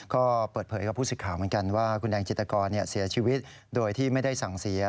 ก็เปิดเผยกับผู้สิทธิ์ข่าวเหมือนกันว่าคุณแดงจิตกรเสียชีวิตโดยที่ไม่ได้สั่งเสีย